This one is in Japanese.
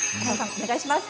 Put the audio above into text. お願いします。